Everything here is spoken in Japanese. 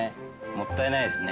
もったいないですね。